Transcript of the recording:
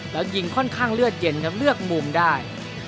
แล้วยิงค่อนข้างเลือดเย็นครับเลือกมุมได้